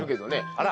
あら。